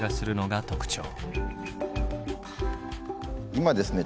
今ですね